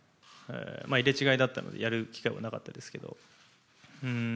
入れ違いだったのでやる機会もなかったですけど。